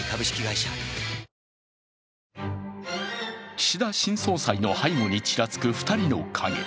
岸田新総裁の背後にちらつく２人の陰。